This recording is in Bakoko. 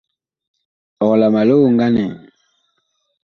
Ɔg la ma li oŋganɛ?